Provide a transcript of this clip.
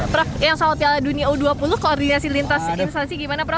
prof yang soal piala dunia u dua puluh koordinasi lintas instansi gimana prof